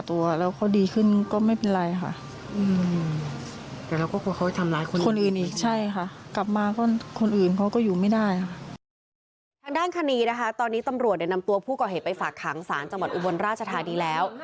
ทางด้านคดีนะคะตอนนี้ตำรวจนำตัวผู้ก่อเหตุไปฝากขังศาลจังหวัดอุบลราชธานีแล้ว